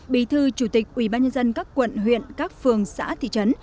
bí thư chủ tịch ubnd các quận huyện các phường xã thị trấn